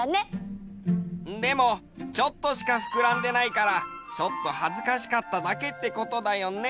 でもちょっとしかふくらんでないからちょっとはずかしかっただけってことだよね？